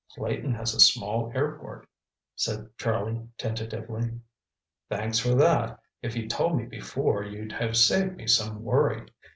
"Clayton has a small airport," said Charlie tentatively. "Thanks for that! If you'd told me before, you'd have saved me some worry.